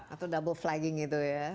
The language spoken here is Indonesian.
atau double flagging itu ya